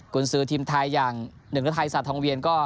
กุณศิษย์ทีมไทยอย่างหนึ่งและทัยสวท้องเวียนก็